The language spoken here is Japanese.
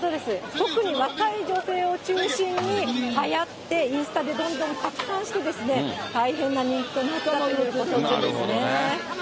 特に若い女性を中心にはやってインスタでどんどん拡散して、大変な人気となったということですね。